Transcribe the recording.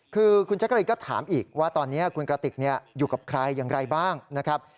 คือคุณแจ๊กกะรีนก็ถามอีกว่าตอนนี้คุณกระติกอยู่กับใครอย่างไรบ้างนะครับ